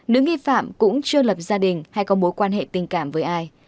nữ nghi phạm cũng chưa lập gia đình hay có mối quan hệ tình cảm với ai